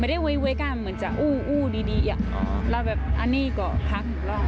ไม่ได้เว้ยกล้ามเหมือนจะอู้ดีอ่ะแล้วแบบอันนี้ก็พักอีกรอบ